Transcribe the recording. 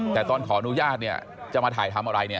แต่ตอนขออนุญาตเนี่ยจะมาถ่ายทำอะไรเนี่ย